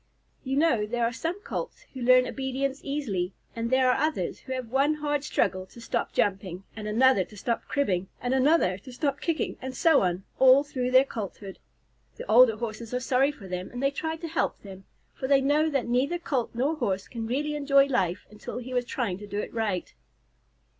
You know there are some Colts who learn obedience easily, and there are others who have one hard struggle to stop jumping, and another to stop cribbing, and another to stop kicking, and so on, all through their Colthood. The older Horses are sorry for them and try to help them, for they know that neither Colt nor Horse can really enjoy life until he is trying to do right.